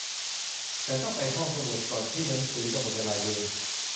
ฉันต้องไปห้องสมุดก่อนที่หนังสือจะหมดเวลายืม